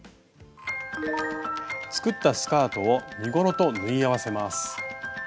作ったスカートを身ごろと縫い合わせます。